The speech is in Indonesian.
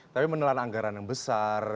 tapi menelan anggaran yang besar